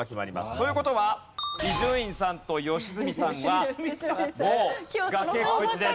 という事は伊集院さんと良純さんはもう崖っぷちです。